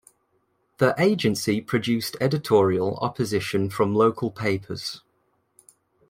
The agency produced editorial opposition from local papers.